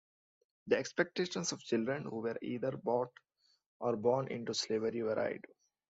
The expectations of children who were either bought or born into slavery varied.